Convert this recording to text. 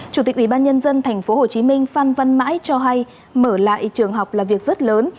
chủ tịch ubnd tp hcm phan văn mãi cho hay mở lại trường học là việc rất lớn